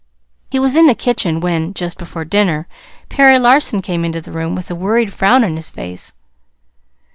He was in the kitchen when, just before dinner, Perry Larson came into the room with a worried frown on his face.